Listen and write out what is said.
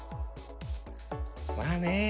まあね。